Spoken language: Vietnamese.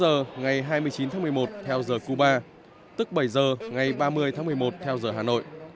một mươi chín h ngày ba mươi tháng một mươi một theo giờ cuba tức bảy h ngày ba mươi tháng một mươi một theo giờ hà nội